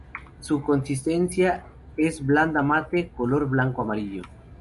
Su consistencia es blanda, mate, color blanco-amarillo.